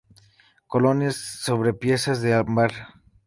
Colonias sobre piezas de ámbar.